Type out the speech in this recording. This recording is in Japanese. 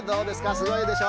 すごいでしょ。